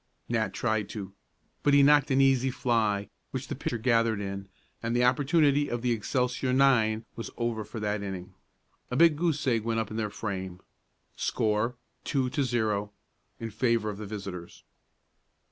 Nat tried to, but he knocked an easy fly, which the pitcher gathered in, and the opportunity of the Excelsior nine was over for that inning. A big goose egg went up in their frame. Score: 2 0, in favor of the visitors.